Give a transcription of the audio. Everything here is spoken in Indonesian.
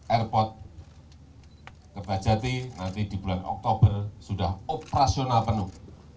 airport kerbajati nanti di bulan oktober sudah operasional penuh